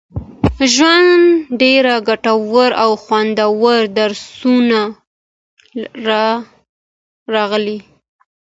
ژوند، ډېر ګټور او خوندور درسونه راغلي